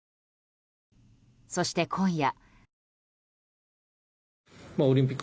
そして今夜。